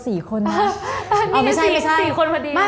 นี่๔คนพอดี